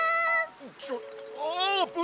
ちょあーぷん！